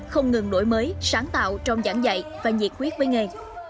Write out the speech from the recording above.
không ngừng đổi mới sáng tạo trong giảng dạy và nhiệt huyết với nghề